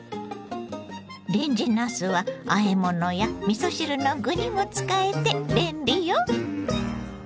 レンジなすはあえ物やみそ汁の具にも使えて便利よ。